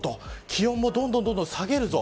気温もどんどん下げるぞ